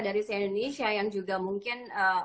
dari si indonesia yang juga mungkin